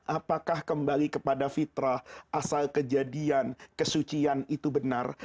apakah kembali kepada fitrah asal kejadian kesucian itu benar